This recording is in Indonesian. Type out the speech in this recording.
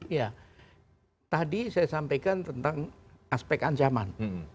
ya tadi saya sampaikan tentang aspek ancaman